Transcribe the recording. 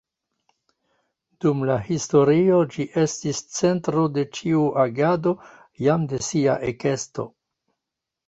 Dum la historio ĝi estis centro de ĉiu agado jam de sia ekesto.